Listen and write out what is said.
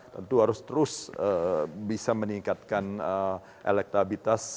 tentu harus terus bisa meningkatkan elektabilitas